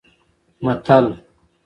متل: